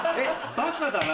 バカだな。